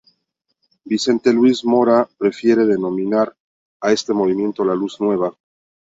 Vicente Luis Mora prefiere denominar a este movimiento La Luz Nueva.